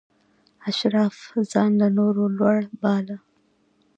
اشراف ځان له نورو لوړ باله.